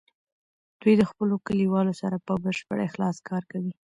دوی د خپلو کلیوالو سره په بشپړ اخلاص کار کوي.